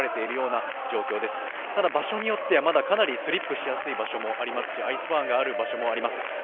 ただ場所によってはまだかなりスリップしやすい場所もありますしアイスバーンしやすい場所もあります。